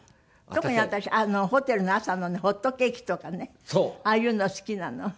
特に私ホテルの朝のねホットケーキとかねああいうの好きなの。